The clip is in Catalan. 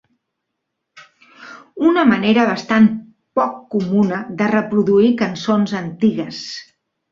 Una manera bastant poc comuna de reproduir cançons antigues!